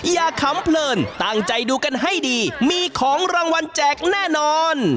ขำเพลินตั้งใจดูกันให้ดีมีของรางวัลแจกแน่นอน